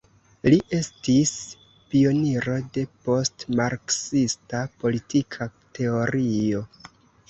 Li estis pioniro de postmarksista politika teorio.